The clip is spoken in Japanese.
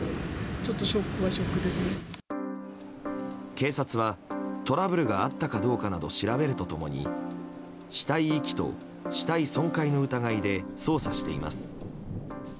警察はトラブルがあったかどうかなど調べると共に死体遺棄と死体損壊の疑いで捜査しています。